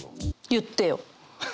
「言ってよ！」。